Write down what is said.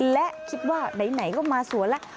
และคิดว่าไหนก็มาสวนแล้ว